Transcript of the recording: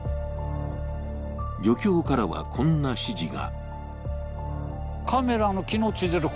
漁協からは、こんな指示が。